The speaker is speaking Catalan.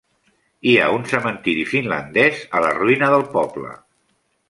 Hi ha un cementiri finlandès a la ruïna del poble.